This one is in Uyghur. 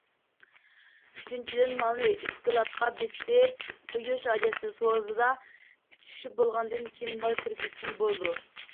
ئۈچىنچىدىن، مالنى ئىسكىلاتقا بېسىپ قويۇش ھاجەتسىز، سودىدا پۈتۈشۈپ بولغاندىن كېيىن مال كىرگۈزسىمۇ بولىدۇ.